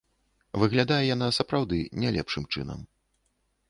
Выглядае яна, сапраўды, не лепшым чынам.